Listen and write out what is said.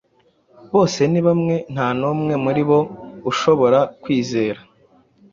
Bose ni bamwe, nta n’umwe muri bo ushobora kwizera.